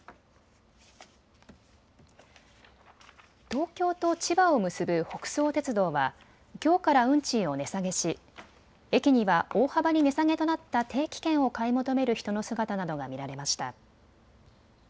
東京と千葉を結ぶ北総鉄道はきょうから運賃を値下げし駅には大幅に値下げとなった定期券を買い求める人の姿などが見られました。